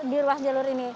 di ruas jalur ini